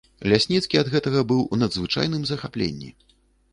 Лясніцкі ад гэтага быў у надзвычайным захапленні.